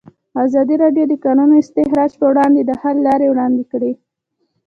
ازادي راډیو د د کانونو استخراج پر وړاندې د حل لارې وړاندې کړي.